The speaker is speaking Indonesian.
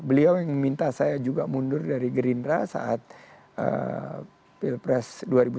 beliau yang minta saya juga mundur dari gerindra saat pilpres dua ribu sembilan belas